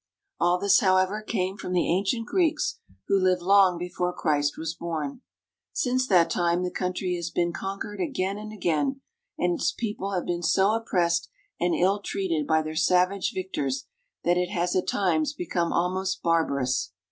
All this, however, came from the ancient Greeks, who lived long before Christ was born. Since that time the coun try has been conquered again and again; and its people have been so oppressed and ill treated by their savage victors that it has at times become almost barbarous.